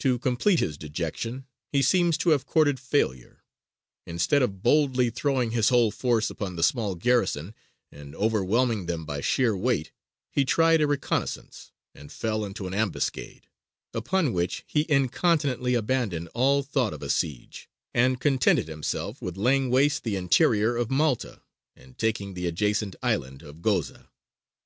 To complete his dejection, he seems to have courted failure. Instead of boldly throwing his whole force upon the small garrison and overwhelming them by sheer weight, he tried a reconnaissance, and fell into an ambuscade; upon which he incontinently abandoned all thought of a siege, and contented himself with laying waste the interior of Malta, and taking the adjacent island of Goza.